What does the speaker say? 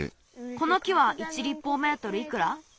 この木は１りっぽうメートルいくら？